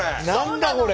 これ。